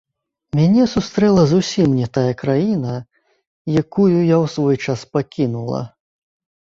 Мяне сустрэла зусім не тая краіна, якую я ў свой час пакінула.